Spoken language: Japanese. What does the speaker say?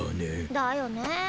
だよねえ。